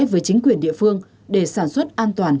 với chính quyền địa phương để sản xuất an toàn